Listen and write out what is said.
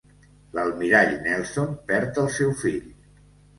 L'almirall Nelson perd el seu fill.